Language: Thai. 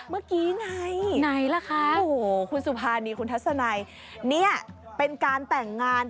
เมื่อกี้ไงไหนล่ะคะโอ้โหคุณสุภานีคุณทัศนัยเนี่ยเป็นการแต่งงาน